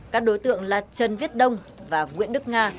các đối tượng là trần viết đông và nguyễn đức nga